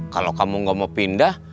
kalau kamu gak mau pindah